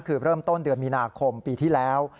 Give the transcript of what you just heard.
คือเริ่มต้นเดือนมีนาคมปีที่แล้ว